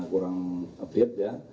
harusnya masih kondisi badannya masih